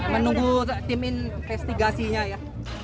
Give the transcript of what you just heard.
menunggu tim investigasinya ya